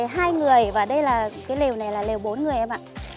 thì ở đây là độ ấm